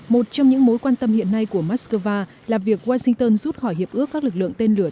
một trong những mối quan tâm hiện nay của moscow là việc washington rút khỏi hiệp ước các lực lượng tên lửa